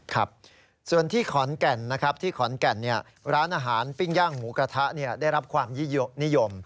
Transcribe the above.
ครับส่วนที่ขอนแก่นร้านอาหารปิ้งย่างหมูกระทะได้รับความนิยม